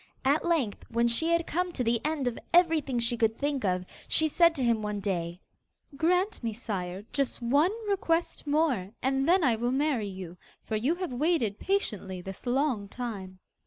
At length, when she had come to the end of everything she could think of, she said to him one day: 'Grant me, Sire, just one request more, and then I will really marry you; for you have waited patiently this long time.